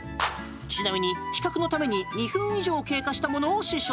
ちなみに、比較のために２分以上経過したものを試食。